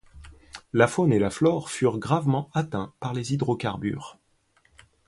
La faune et la flore furent gravement atteintes par les hydrocarbures.